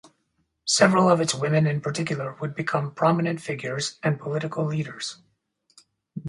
Several of its women in particular would become prominent figures and political leaders.